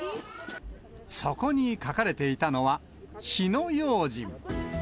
そこに書かれていたのは、火の用心。